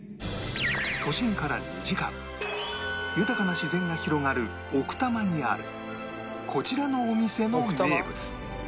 都心から２時間豊かな自然が広がる奥多摩にあるこちらのお店の名物